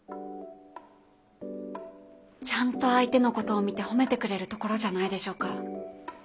ちゃんと相手のことを見て褒めてくれるところじゃないでしょうか。